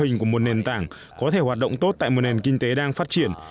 mô hình của một nền tảng có thể hoạt động tốt tại một nền kinh tế đang phát triển